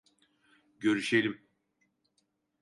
Görüşelim...